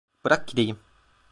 Bırak gideyim.